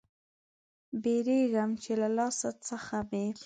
بیریږم چې له لاس څخه مې